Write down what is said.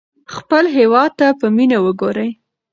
خپل هېواد ته په مینه وګورئ.